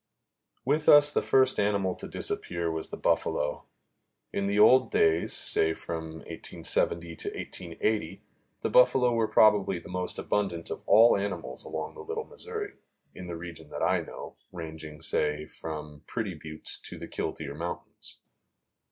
With us the first animal to disappear was the buffalo. In the old days, say from 1870 to 1880, the buffalo were probably the most abundant of all animals along the Little Missouri in the region that I know, ranging, say, from Pretty Buttes to the Killdeer Mountains.